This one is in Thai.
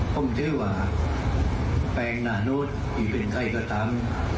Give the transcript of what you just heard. ผมเชื่อว่าแปลงนานุษย์ที่เป็นใครก็ตาม